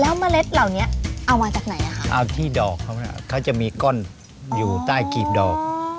แล้วเมล็ดเหล่านี้เอามาจากไหนอ่ะคะเอาที่ดอกเขาน่ะเขาจะมีก้อนอยู่ใต้กรีบดอก